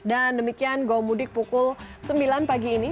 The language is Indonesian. dan demikian go mudik pukul sembilan pagi ini